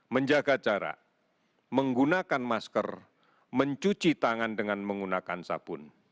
menjaga jarak menggunakan masker mencuci tangan dengan menggunakan sabun